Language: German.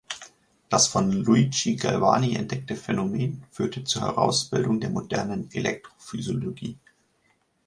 Das von Luigi Galvani entdeckte Phänomen führte zur Herausbildung der modernen Elektrophysiologie.